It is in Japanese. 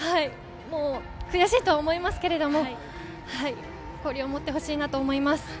悔しいと思いますけれど、誇りを持ってほしいと思います。